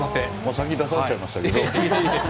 先に出されちゃいましたけどね。